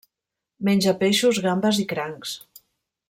Menja peixos, gambes i crancs.